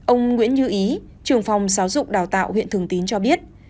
ông nguyễn như ý trường phòng xáo dụng đào tạo huyện thường tín cho biết